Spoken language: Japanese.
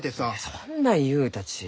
そんなん言うたち。